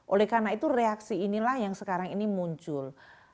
oleh karena itu reaksi inilah yang sekarang ini muncul